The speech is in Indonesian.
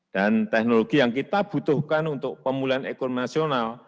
dan teknologi yang kita butuhkan untuk pemulihan ekonomi nasional